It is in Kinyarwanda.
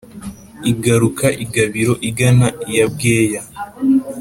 igaruka i gabiro igana iya bweya.